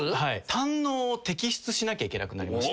胆のうを摘出しなきゃいけなくなりまして。